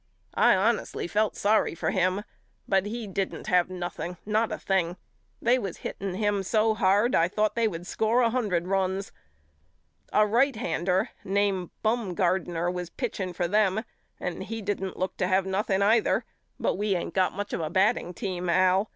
I honestly felt sorry for him but he didn't have nothing, not a thing. They was hitting him so hard I thought they would score a hundred runs. A righthander name Bumgardner was pitching for them and he didn't look to have nothing either but we ain't got much of a batting team Al.